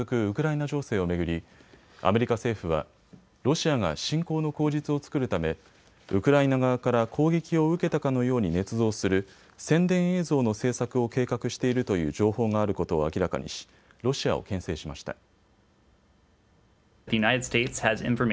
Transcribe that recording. ウクライナ情勢を巡り、アメリカ政府はロシアが侵攻の口実を作るためウクライナ側から攻撃を受けたかのようにねつ造する宣伝映像の制作を計画しているという情報があることを明らかにしロシアをけん制しました。